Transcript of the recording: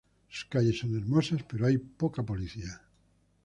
Sus calles son hermosas; pero hay poca policía.